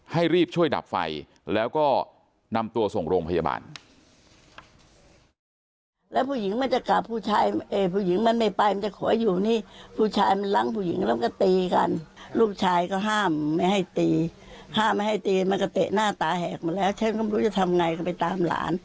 ให้รีบช่วยดับไฟแล้วก็นำตัวส่งโรงพยาบาล